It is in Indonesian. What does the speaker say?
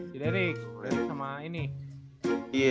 si derick sama ini